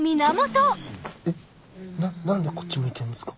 ちょっえっ何でこっち向いてんですか？